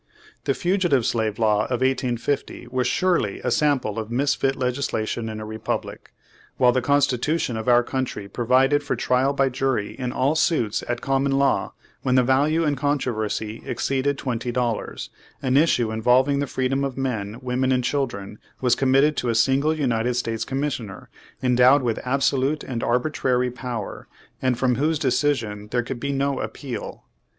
The Fugitive Slave Law of 1850 was surely a sample of misfit legislation in a republic. While the Constitution of our country provided for trial by jury in all suits at common law when the value in contro versy exceeded twenty dollars, an issue involving the freedom of men, women and children, was com mitted to a single United States commissioner, en dowed with absolute and arbitrary power, and from whose decision there could be no appeal.